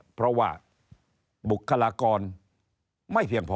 เพราะว่าบุคลากรไม่เพียงพอ